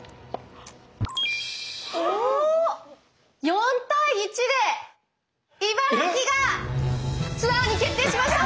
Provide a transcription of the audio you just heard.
４対１で茨城がツアーに決定しました！